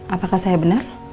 apakah saya benar